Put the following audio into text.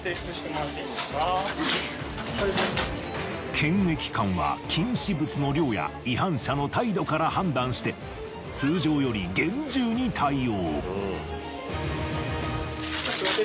検疫官は禁止物の量や違反者の態度から判断して通常より厳重に対応。